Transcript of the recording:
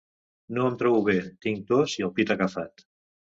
No em trobo bé, tinc tos i el pit agafat.